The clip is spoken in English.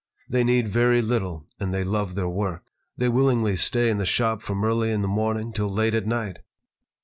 They need very little, and they love their work. They willingly stay in the shop from early in the morning till late at night."